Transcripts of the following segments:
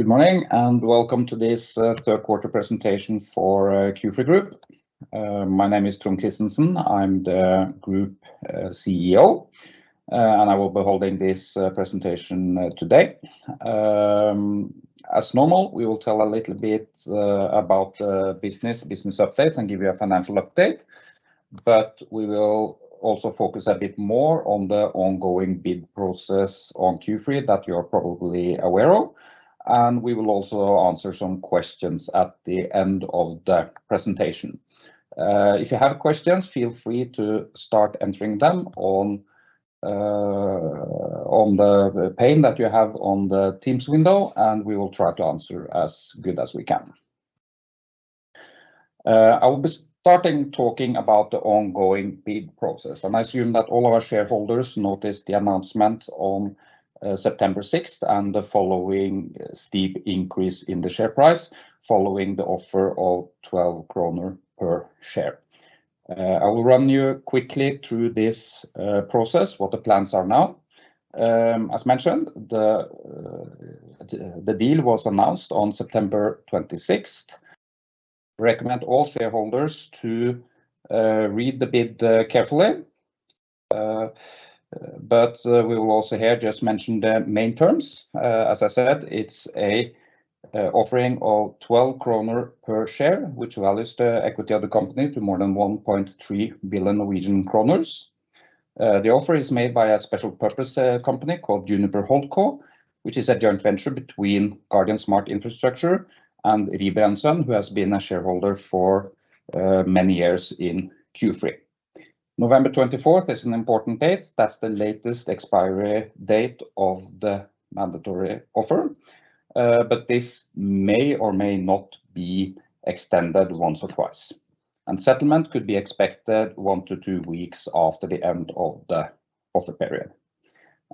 Good morning, and welcome to this third quarter presentation for Q-Free Group. My name is Trond Christensen. I'm the Group CEO, and I will be holding this presentation today. As normal, we will tell a little bit about the business, business updates, and give you a financial update, but we will also focus a bit more on the ongoing bid process on Q-Free that you're probably aware of, and we will also answer some questions at the end of the presentation. If you have questions, feel free to start entering them on the pane that you have on the Teams window, and we will try to answer as good as we can. I will be starting talking about the ongoing bid process, and I assume that all of our shareholders noticed the announcement on September 6th, and the following steep increase in the share price following the offer of 12 kroner per share. I will run you quickly through this process, what the plans are now. As mentioned, the deal was announced on September 26th. Recommend all shareholders to read the bid carefully. But we will also here just mention the main terms. As I said, it's a offering of 12 kroner per share, which values the equity of the company to more than 1.3 billion Norwegian kroner. The offer is made by a special purpose, company called Juniper Holdco, which is a joint venture between Guardian Smart Infrastructure and Rieber & Søn, who has been a shareholder for, many years in Q-Free. November 24th is an important date. That's the latest expiry date of the mandatory offer, but this may or may not be extended once or twice, and settlement could be expected one to two weeks after the end of the offer period.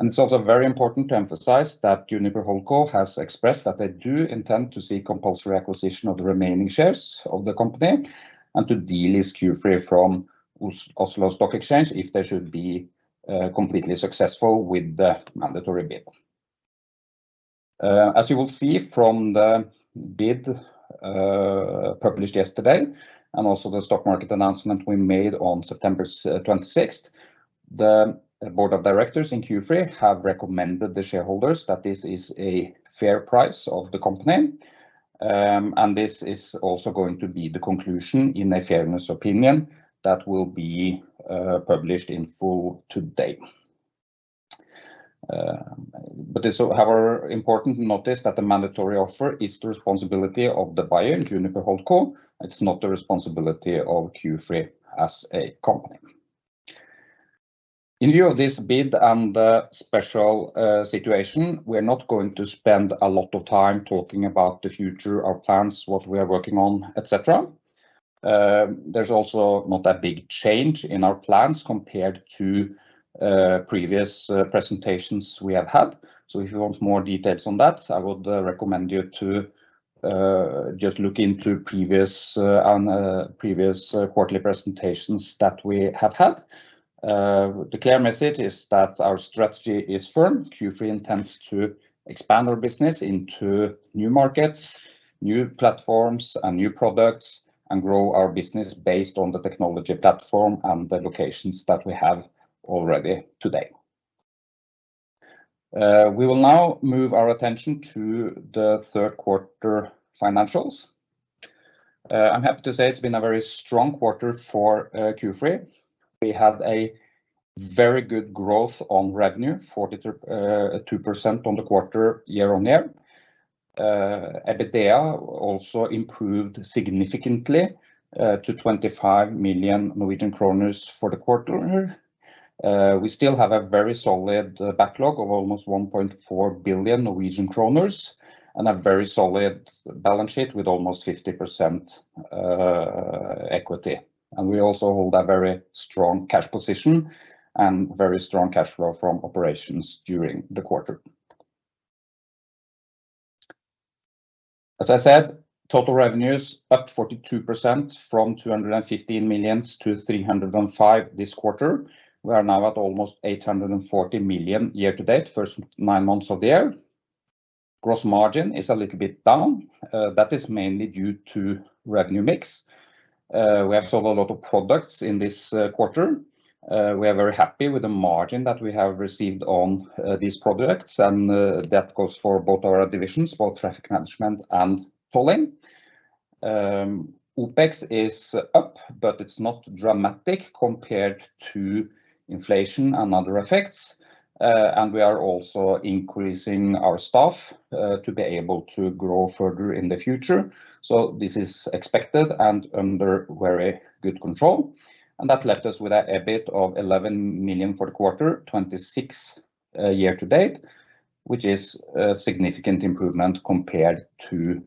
It's also very important to emphasize that Juniper Holdco has expressed that they do intend to seek compulsory acquisition of the remaining shares of the company and to delist Q-Free from Oslo Stock Exchange if they should be, completely successful with the mandatory bid. As you will see from the bid, published yesterday, and also the stock market announcement we made on September 26th, the board of directors in Q-Free have recommended the shareholders that this is a fair price of the company. And this is also going to be the conclusion in a fairness opinion that will be published in full today. But it's, however, important to notice that the mandatory offer is the responsibility of the buyer, Juniper Holdco. It's not the responsibility of Q-Free as a company. In lieu of this bid and the special situation, we're not going to spend a lot of time talking about the future, our plans, what we are working on, et cetera. There's also not that big change in our plans compared to previous presentations we have had, so if you want more details on that, I would recommend you to just look into previous quarterly presentations that we have had. The clear message is that our strategy is firm. Q-Free intends to expand our business into new markets, new platforms, and new products, and grow our business based on the technology platform and the locations that we have already today. We will now move our attention to the third quarter financials. I'm happy to say it's been a very strong quarter for Q-Free. We had a very good growth on revenue, 42%, on the quarter, year-on-year. EBITDA also improved significantly to 25 million Norwegian kroner for the quarter. We still have a very solid backlog of almost 1.4 billion Norwegian kroner and a very solid balance sheet with almost 50% equity. We also hold a very strong cash position and very strong cash flow from operations during the quarter. As I said, total revenues up 42% from 215 million to 305 million this quarter. We are now at almost 840 million year to date, first nine months of the year. Gross margin is a little bit down. That is mainly due to revenue mix. We have sold a lot of products in this quarter. We are very happy with the margin that we have received on these products, and that goes for both our divisions, both traffic management and tolling. OPEX is up, but it's not dramatic compared to inflation and other effects. And we are also increasing our staff to be able to grow further in the future. So this is expected and under very good control, and that left us with an EBIT of 11 million for the quarter, 26 million year-to-date, which is a significant improvement compared to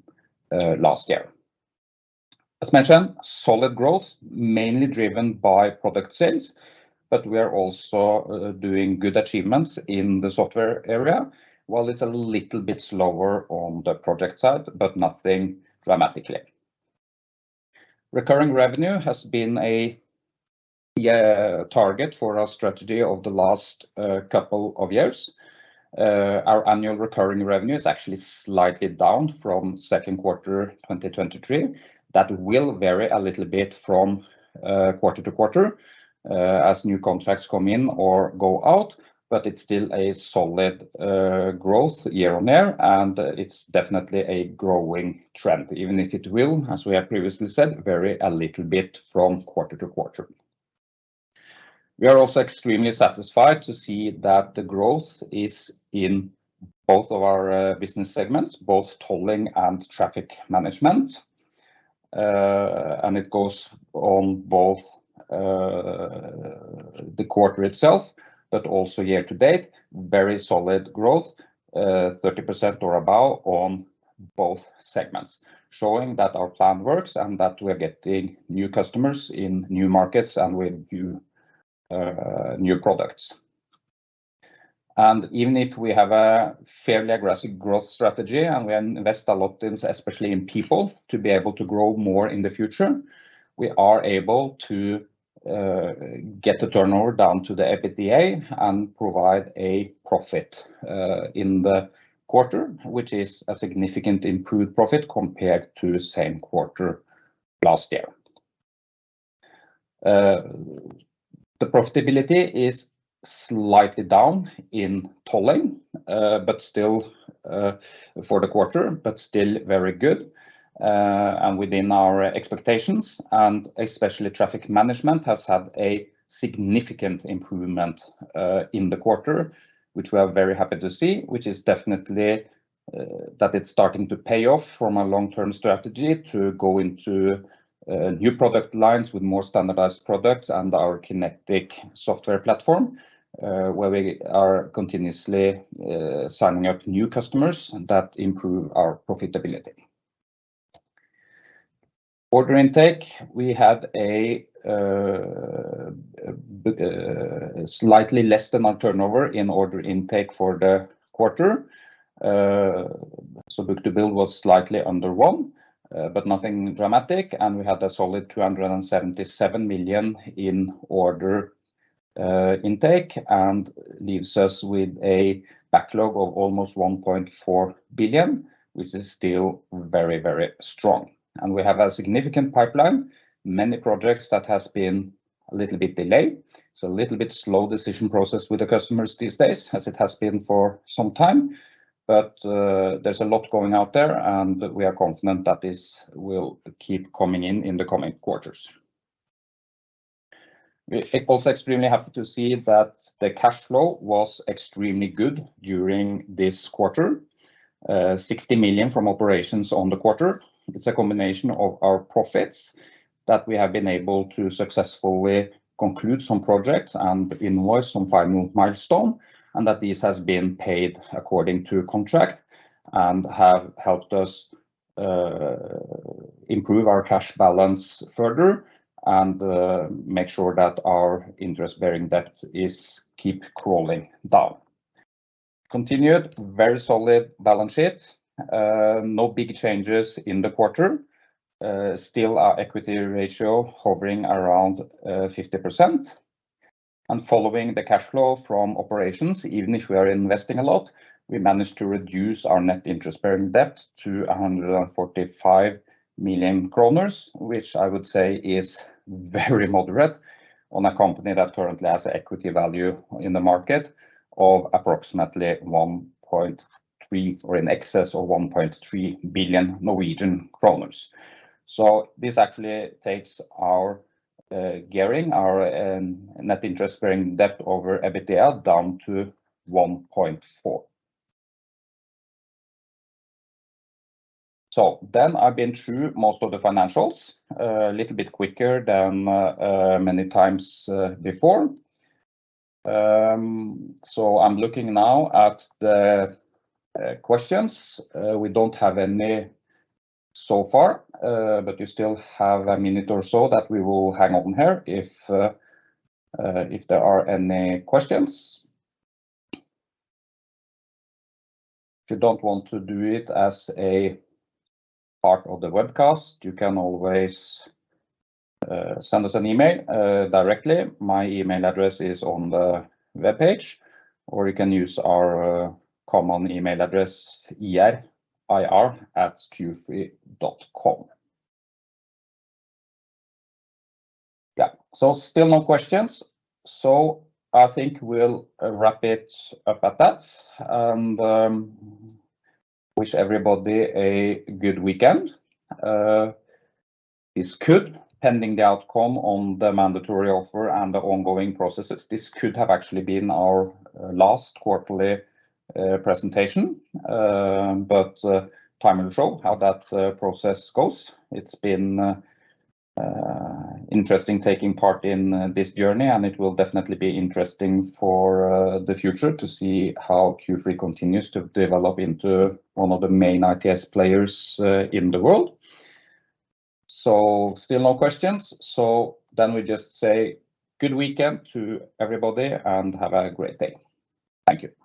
last year. As mentioned, solid growth, mainly driven by product sales, but we are also doing good achievements in the software area, while it's a little bit slower on the project side, but nothing dramatically. Recurring revenue has been a, yeah, target for our strategy over the last couple of years. Our annual recurring revenue is actually slightly down from second quarter 2023. That will vary a little bit from quarter-over-quarter as new contracts come in or go out, but it's still a solid growth year-over-year, and it's definitely a growing trend, even if it will, as we have previously said, vary a little bit from quarter-over-quarter. We are also extremely satisfied to see that the growth is in both of our business segments, both tolling and traffic management. It goes on both the quarter itself, but also year to date, very solid growth 30% or above on both segments, showing that our plan works, and that we're getting new customers in new markets and with new new products. Even if we have a fairly aggressive growth strategy and we invest a lot in, especially in people, to be able to grow more in the future, we are able to get the turnover down to the EBITDA and provide a profit in the quarter, which is a significant improved profit compared to the same quarter last year. The profitability is slightly down in tolling, but still, for the quarter, but still very good, and within our expectations, and especially traffic management has had a significant improvement in the quarter, which we are very happy to see, which is definitely that it's starting to pay off from a long-term strategy to go into new product lines with more standardized products and our Kinetic software platform, where we are continuously signing up new customers that improve our profitability. Order intake, we had a slightly less than our turnover in order intake for the quarter. So book-to-bill was slightly under one, but nothing dramatic, and we had a solid 277 million in order intake, and leaves us with a backlog of almost 1.4 billion, which is still very, very strong. And we have a significant pipeline, many projects that has been a little bit delayed. It's a little bit slow decision process with the customers these days, as it has been for some time, but there's a lot going out there, and we are confident that this will keep coming in in the coming quarters. We're also extremely happy to see that the cash flow was extremely good during this quarter. 60 million from operations on the quarter. It's a combination of our profits, that we have been able to successfully conclude some projects and invoice some final milestone, and that this has been paid according to contract and have helped us, improve our cash balance further and, make sure that our interest-bearing debt is keep crawling down. Continued very solid balance sheet. No big changes in the quarter. Still our equity ratio hovering around, 50%. And following the cash flow from operations, even if we are investing a lot, we managed to reduce our net interest-bearing debt to 145 million kroner, which I would say is very moderate on a company that currently has an equity value in the market of approximately 1.3, or in excess of 1.3 billion Norwegian kroner. So this actually takes our gearing, our net interest-bearing debt over EBITDA down to 1.4. So then I've been through most of the financials, a little bit quicker than many times before. So I'm looking now at the questions. We don't have any so far, but you still have a minute or so that we will hang on here if there are any questions. If you don't want to do it as a part of the webcast, you can always send us an email directly. My email address is on the webpage, or you can use our common email address, IR@qfree.com. Yeah, so still no questions, so I think we'll wrap it up at that, and wish everybody a good weekend. This could, pending the outcome on the mandatory offer and the ongoing processes, this could have actually been our last quarterly presentation, but time will show how that process goes. It's been interesting taking part in this journey, and it will definitely be interesting for the future to see how Q-Free continues to develop into one of the main ITS players in the world. So still no questions, so then we just say good weekend to everybody, and have a great day. Thank you.